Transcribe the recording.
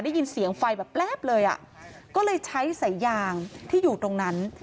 ได้ยินเสียงไฟแบบแป๊บเลยอ่ะก็เลยใช้สายยางที่อยู่ตรงนั้น